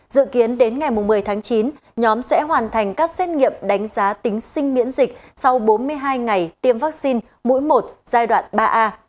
dự kiến đến ngày một mươi tháng chín nhóm sẽ hoàn thành các xét nghiệm đánh giá tính sinh miễn dịch sau bốn mươi hai ngày tiêm vaccine mũi một giai đoạn ba a